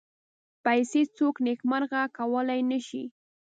پیسې څوک نېکمرغه کولای نه شي.